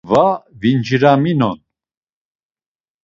Va vinciraminon.